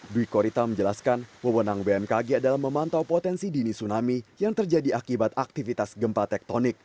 dwi korita menjelaskan wewenang bmkg adalah memantau potensi dini tsunami yang terjadi akibat aktivitas gempa tektonik